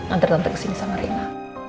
antar tante ke sini sama reina